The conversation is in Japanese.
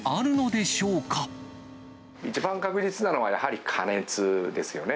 一番確実なのは、やはり加熱ですよね。